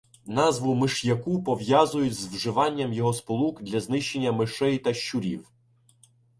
Назву миш'яку пов'язують з вживанням його сполук для знищення мишей та щурів.